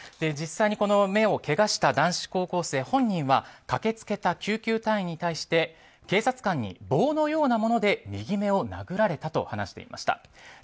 実際に目をけがした男子高校生本人は駆け付けた救急隊員に対して警察官に棒のようなもので右目を殴られたと話していました。